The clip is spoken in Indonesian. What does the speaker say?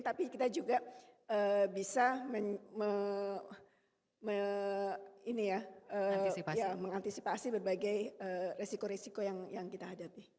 tapi kita juga bisa mengantisipasi berbagai resiko resiko yang kita hadapi